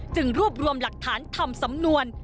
รวบรวมหลักฐานทำสำนวน